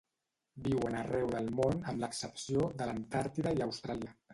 Viuen arreu del món amb l'excepció de l'Antàrtida i Austràlia.